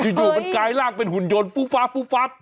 ที่อยู่มันกายร่างเป็นหุ่นยนต์ฟูฟับฟูฟับ